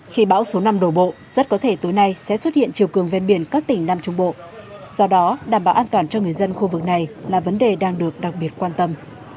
khi bão số năm đổ bộ rất có thể tối nay sẽ xuất hiện chiều cường ven biển các tỉnh nam trung bộ do đó đảm bảo an toàn cho người dân khu vực này là vấn đề đang được đặc biệt quan tâm